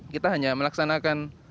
kita hanya melaksanakan